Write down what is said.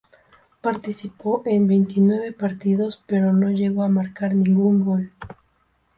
Participó en veintinueve partidos pero no llegó a marcar ningún gol.